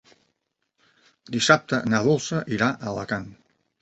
Dissabte na Dolça irà a Alacant.